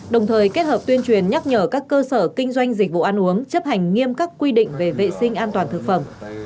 đồng thời kết hợp tuyên truyền nhắc nhở các cơ sở kinh doanh dịch vụ ăn uống chấp hành nghiêm các quy định về vệ sinh an toàn thực phẩm